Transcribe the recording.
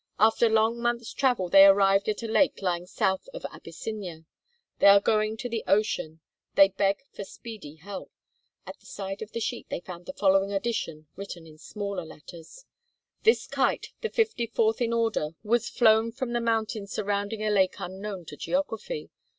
After long months' travel they arrived at a lake lying south of Abyssinia. They are going to the ocean. They beg for speedy help." At the side of the sheet they found the following addition written in smaller letters: "This kite, the 54th in order, was flown from the mountains surrounding a lake unknown to geography.